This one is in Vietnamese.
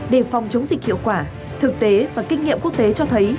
để phòng chống dịch hiệu quả thực tế và kinh nghiệm quốc tế cho thấy